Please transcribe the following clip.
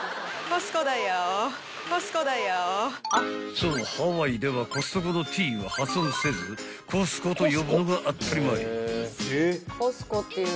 ［そうハワイではＣＯＳＴＣＯの「Ｔ」は発音せず「コスコ」と呼ぶのが当たり前］